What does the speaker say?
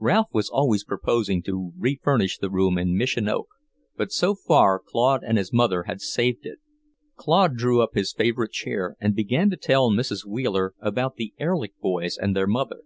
Ralph was always proposing to re furnish the room in Mission oak, but so far Claude and his mother had saved it. Claude drew up his favourite chair and began to tell Mrs. Wheeler about the Erlich boys and their mother.